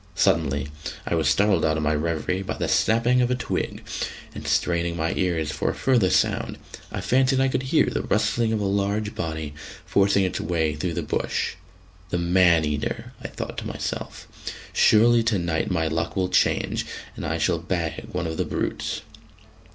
Suddenly I was startled out of my reverie by the snapping of a twig: and, straining my ears for a further sound, I fancied I could hear the rustling of a large body forcing its way through the bush. "The man eater," I thought to myself; "surely to night my luck will change and I shall bag one of the brutes."